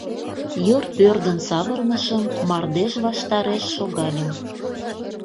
Йыр пӧрдын савырнышым, мардеж ваштареш шогальым.